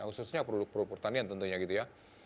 khususnya produk produk pertanian tentunya gitu ya